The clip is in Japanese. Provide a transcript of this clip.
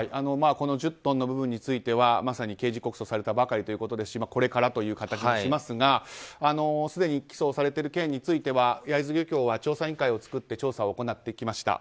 １０トンの部分についてはまさに刑事告訴されたばかりということですしこれからという形もしますがすでに起訴されてる件については焼津漁協は調査委員会を作って調査を行ってきました。